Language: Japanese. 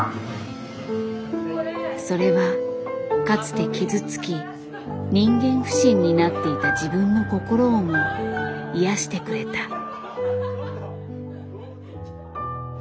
それはかつて傷つき人間不信になっていた自分の心をも癒やしてくれた。